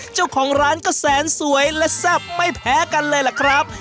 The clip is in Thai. เจ้าของร้านก็แสนสวยและแซ่บไม่แพ้กันเลยล่ะครับ